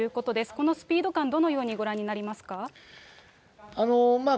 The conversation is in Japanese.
このスピード感、どのようにご覧まあ